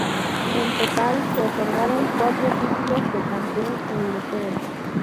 En total se otorgaron cuatro títulos de campeón europeo.